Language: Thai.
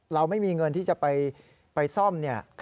เราไม่มีเงินที่จะไปซ่อมเนี่ย